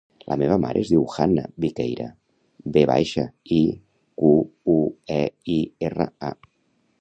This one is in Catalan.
La meva mare es diu Hanna Viqueira: ve baixa, i, cu, u, e, i, erra, a.